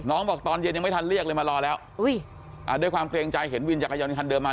บอกตอนเย็นยังไม่ทันเรียกเลยมารอแล้วอุ้ยอ่าด้วยความเกรงใจเห็นวินจักรยานยนคันเดิมมา